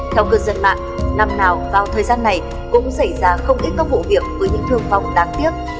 theo cư dân mạng năm nào vào thời gian này cũng xảy ra không ít các vụ việc với những thương vong đáng tiếc